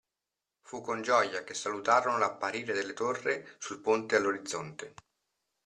Fu con gioia che salutarono l'apparire della torre sul ponte all'orizzonte.